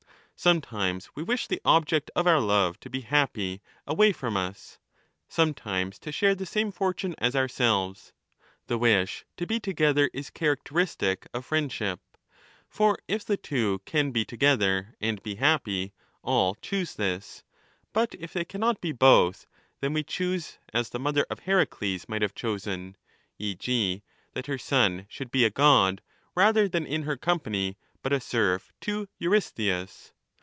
Sometimes we wish the object of our love to be happy away from us, sometimes to share the same fortune as ourselves ; the wish to be together is characteristic of friend ship. For if the two can both be together and be happy, all choose this ; but if they cannot be both, then we choose as * the mother of Heracles might have chosen, e. g. that 3° her son should be a god rather than in her company but a serf to Eurystheus.